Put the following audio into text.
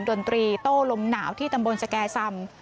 ดนตรีโต้ลมหนาวที่ตำบลสแก่ซำ